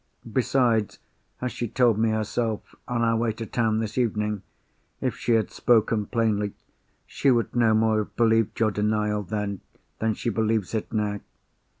Besides, as she told me herself, on our way to town this evening, if she had spoken plainly, she would no more have believed your denial then than she believes it now.